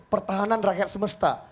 pertahanan rakyat semesta